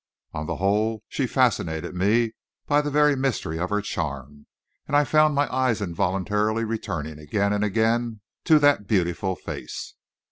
On the whole, she fascinated me by the very mystery of her charm, and I found my eyes involuntarily returning again and again to that beautiful face.